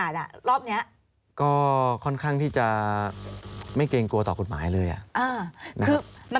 จริงก็กรุงเทพนั่นแหละ